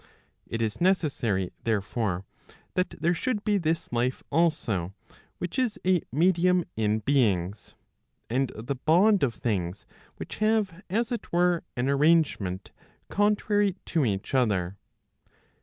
It is necessary therefore, that there should be this life also, which is a medium in beings, and the bond of things which have as it were an arrangement contrary * to each other.